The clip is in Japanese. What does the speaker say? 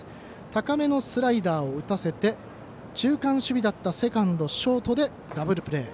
高めのスライダーを打たせて中間守備だったセカンド、ショートでダブルプレー。